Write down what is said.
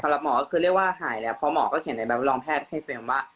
สำหรับหมอก็คือเรียกว่าหายแล้วเพราะหมอก็เขียนในแบบโรงแพทย์ให้เฟรมว่า